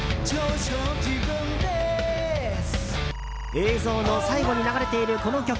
映像の最後に流れているこの曲。